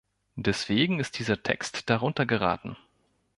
Deswegen ist dieser Text darunter geraten.